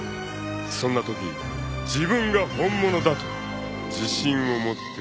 ［そんなとき自分が本物だと自信を持って言えますか？］